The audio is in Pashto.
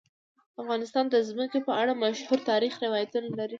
افغانستان د ځمکه په اړه مشهور تاریخی روایتونه لري.